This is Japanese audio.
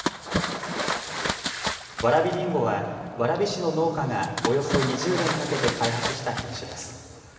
わらびりんごは蕨市の農家がおよそ２０年かけて開発した品種です。